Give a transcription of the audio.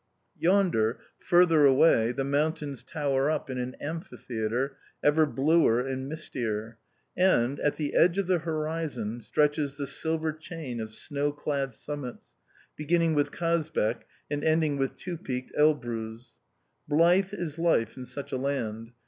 Yonder, further away, the mountains tower up in an amphitheatre, ever bluer and mistier; and, at the edge of the horizon, stretches the silver chain of snow clad summits, beginning with Kazbek and ending with two peaked Elbruz... Blithe is life in such a land!